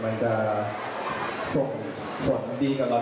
มันจะส่งผลดีกับเรา